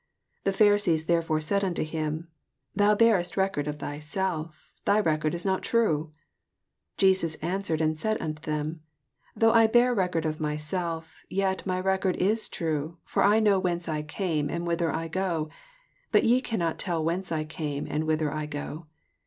13 The Pharisees therefore said unto him, Thou bearest record of thyself; thy record is not true. 14 Jesus answered and said unto them, Though I bear record of myself, yet my record is true: for I know whence I came, and whither I go ; but ye cannot tell whence I come, and whither I go.